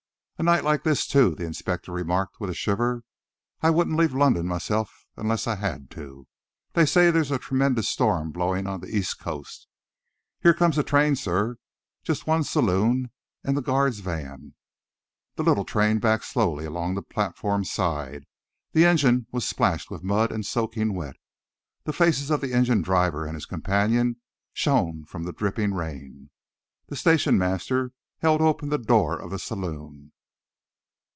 "A night like this, too!" the inspector remarked, with a shiver. "I wouldn't leave London myself unless I had to. They say there's a tremendous storm blowing on the east coast. Here comes the train, sir just one saloon and the guard's van." The little train backed slowly along the platform side. The engine was splashed with mud and soaking wet. The faces of the engine driver and his companion shone from the dripping rain. The station master held open the door of the saloon.